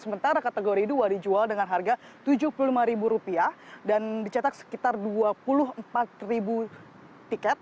sementara kategori dua dijual dengan harga rp tujuh puluh lima dan dicetak sekitar dua puluh empat tiket